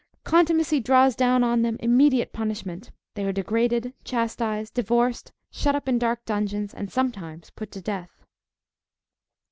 Contumacy draws down on them immediate punishment: they are degraded, chastised, divorced, shut up in dark dungeons, and sometimes put to death.